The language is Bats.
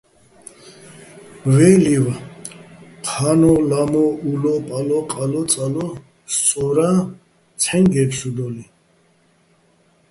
ვაჲ ლი́ვ: ჴანო̆, ლამო̆, ულო̆, პალო̆, ყალო̆, წალო, სწორა, ცჰ̦აჲნი̆ გე́ფსუდოლიჼ.